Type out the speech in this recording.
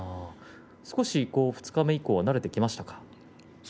少し二日目以降は慣れていきましたか。